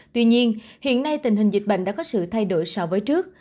tuy nhiên hiện nay tình hình dịch bệnh đã có sự thay đổi so với trước